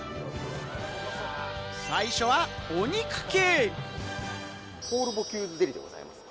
最初はお肉系。